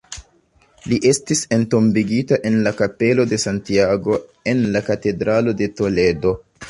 Li estis entombigita en la kapelo de Santiago, en la katedralo de Toledo.